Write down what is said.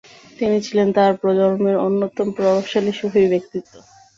তিনি ছিলেন তাঁর প্রজন্মের অন্যতম প্রভাবশালী সুফি ব্যক্তিত্ব ।